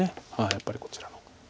やっぱりこちら。